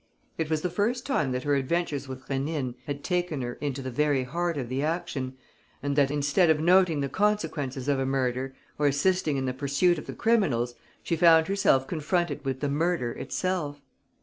It was the first time that her adventures with Rénine had taken her into the very heart of the action and that, instead of noting the consequences of a murder, or assisting in the pursuit of the criminals, she found herself confronted with the murder itself.